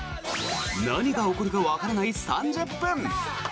何が起こるかわからない３０分！